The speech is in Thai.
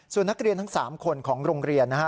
ส่วนนักเรียนทั้ง๓คนของโรงเรียนนะฮะ